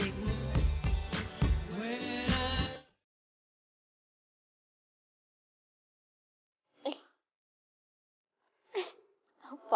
siapa yang datang ya